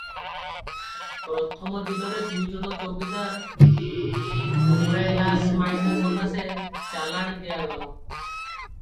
ପ୍ରଥମ ଦିନରେ ଦୁଇ ଜଣ ଚୌକିଦାର ହମରାଏ ଲାସ୍ ମାଇନା ସକାଶେ ଚାଲାଣ ଦିଆଗଲା ।